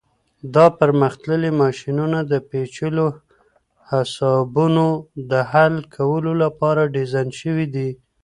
دا پرمختللي ماشینونه د پیچلو حسابونو د حل کولو لپاره ډیزاین شوي دي.